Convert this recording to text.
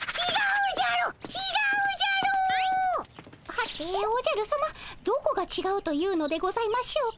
はておじゃるさまどこがちがうというのでございましょうか。